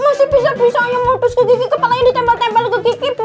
masih pisau pisau yang ngotos ke gigi kepalanya ditempel tempel ke gigi bu